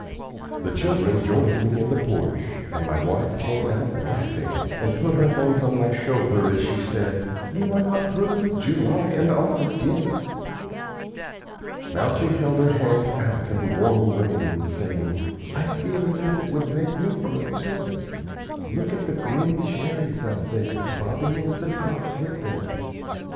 The children joined me in the porch, and my wife came out laughing, and put her hand on my shoulder as she said, "You are not through with July and August yet." Mousie held her hands out in the warm rain, saying: "I feel as if it would make me grow, too. Look at the green cherries up there, bobbing as the drops hit them."